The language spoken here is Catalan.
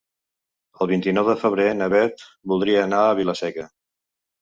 El vint-i-nou de febrer na Beth voldria anar a Vila-seca.